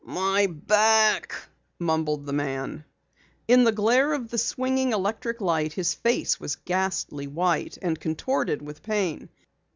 "My back," mumbled the man. In the glare of the swinging electric light his face was ghastly white and contorted with pain.